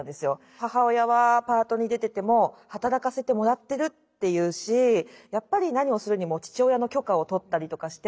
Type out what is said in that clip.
母親はパートに出てても「働かせてもらってる」って言うしやっぱり何をするにも父親の許可を取ったりとかして。